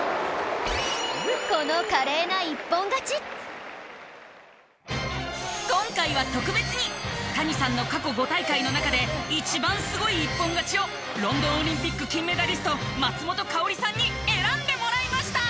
この今回は特別に谷さんの過去５大会の中で一番すごい一本勝ちをロンドンオリンピック金メダリスト松本薫さんに選んでもらいました！